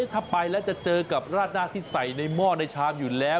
ถ้าไปแล้วจะเจอกับราดหน้าที่ใส่ในหม้อในชามอยู่แล้ว